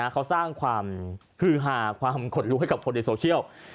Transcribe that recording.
เขาสร้างความฮือหาความขดลุกให้กับคนในโซเชียล